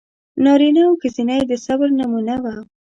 نارینه او ښځینه یې د صبر نمونه و.